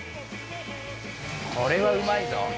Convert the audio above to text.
これはうまいぞ！